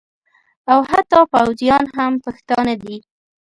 او حتی پوځیان هم پښتانه دي